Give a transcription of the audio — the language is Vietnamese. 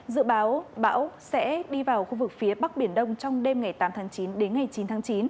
dự báo bão sẽ đi vào khu vực phía bắc biển đông trong đêm ngày tám tháng chín đến ngày chín tháng chín